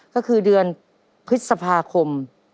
ก็คือเดือนพฤษภาคม